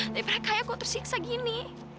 daripada kaya kok terus iksa gini